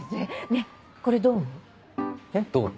ねぇこれどう思う？